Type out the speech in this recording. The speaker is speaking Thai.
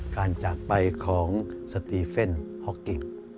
การจากไปของสตรีเฟ่นฮอกกิ้ม